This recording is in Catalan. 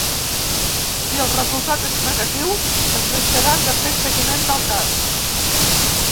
Si el resultat és negatiu, es deixarà de fer seguiment del cas.